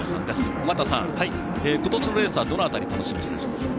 尾方さん、今年のレースはどの辺り楽しみにしてらっしゃいますか？